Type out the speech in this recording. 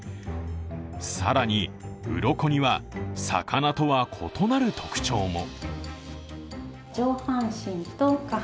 更に、うろこには、魚とは異なる特徴も。